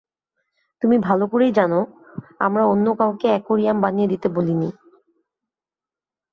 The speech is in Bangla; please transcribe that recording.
তুমি ভালো করেই জানো, আমার জন্য কাউকে অ্যাকোরিয়াম বানিয়ে দিতে বলিনি।